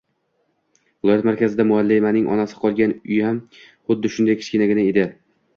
Viloyat markazida muallimaning onasi qolgan – uyam xuddi shunday kichkinagina edi.